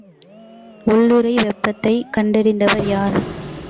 உள்ளுறை வெப்பத்தைக் கண்டறிந்தவர் யார்?